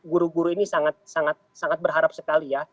guru guru ini sangat sangat berharap sekali ya